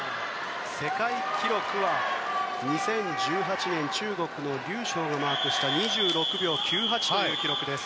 世界記録は２０１８年、中国のリュウ・ショウがマークした２６秒９８という記録です。